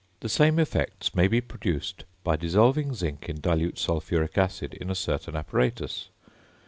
The same effects may be produced by dissolving zinc in dilute sulphuric acid in a certain apparatus.